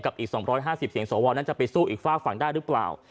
อีก๒๕๐เสียงสวนั้นจะไปสู้อีกฝากฝั่งได้หรือเปล่า